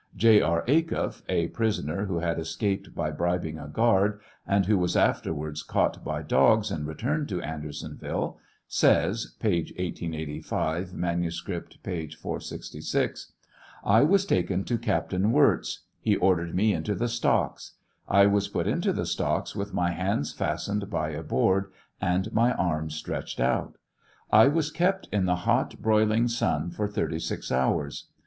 I. R. Achuff, a prisoner who had escaped by bribing a guard, and who was afterwards caught by dogs and returned to Andersonville, says, (p. 1S85; manu script, p. 466.) I was taken to Captain Wirz. He ordered mo into the stocks. I was put into the stocks with my hands fastened by a board and my arras • stretched out. I was kept in the hot broiling sun for 36 hours.